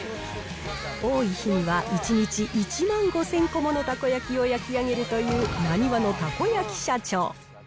多い日には１日１万５０００ものたこ焼きを焼き上げるという、なにわのたこ焼き社長。